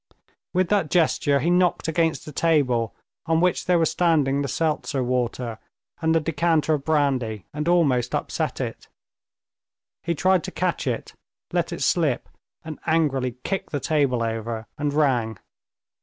With that gesture he knocked against the table, on which there was standing the seltzer water and the decanter of brandy, and almost upset it. He tried to catch it, let it slip, and angrily kicked the table over and rang.